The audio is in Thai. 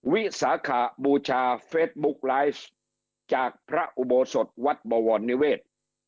วิสาขบูชาเฟสบุ๊คไลฟ์จากพระอุโบสถวัดบวรนิเวศ